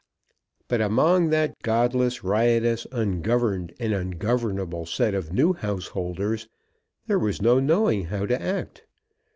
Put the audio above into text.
But among that godless, riotous, ungoverned and ungovernable set of new householders, there was no knowing how to act.